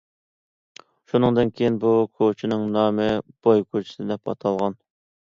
شۇنىڭدىن كېيىن بۇ كوچىنىڭ نامى‹‹ باي كوچىسى›› دەپ ئاتالغان.